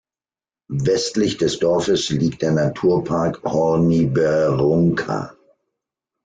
Westlich des Dorfes liegt der Naturpark Horní Berounka.